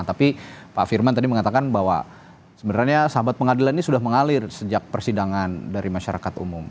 tapi pak firman tadi mengatakan bahwa sebenarnya sahabat pengadilan ini sudah mengalir sejak persidangan dari masyarakat umum